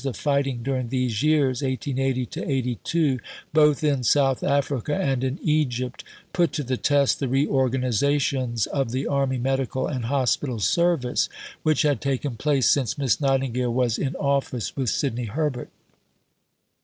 The fighting during these years (1880 82), both in South Africa and in Egypt, put to the test the re organizations of the Army Medical and Hospital Service which had taken place since Miss Nightingale was "in office" with Sidney Herbert.